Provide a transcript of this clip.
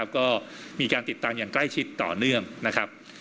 ก็มีการติดตามอย่างใกล้ชิดต่อเนื่องนะครับ